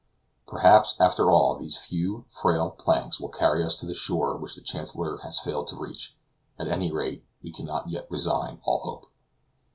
Perhaps, after all, these few frail planks will carry us to the shore which the Chancellor has failed to reach; at any rate, we cannot yet resign all hope.